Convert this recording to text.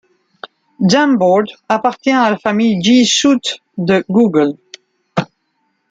Jamboard appartient à la famille G Suite de Google.